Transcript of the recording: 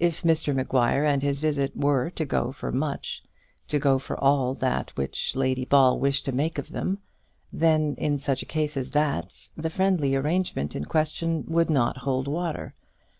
If Mr Maguire and his visit were to go for much to go for all that which Lady Ball wished to make of them then, in such a case as that, the friendly arrangement in question would not hold water.